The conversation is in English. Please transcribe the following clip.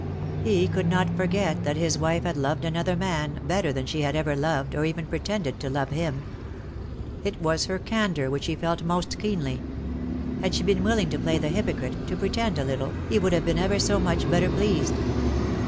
He could not forget that his wife had loved another man better than she had ever loved or even pretended to love him. It was her candour which he felt most keenly. Had she been willing to play the hypocrite, to pretend a little, he would have been ever so much better pleased.